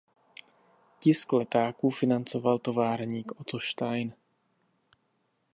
Tisk letáků financoval továrník Otto Stein.